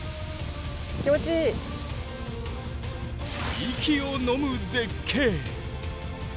息をのむ絶景！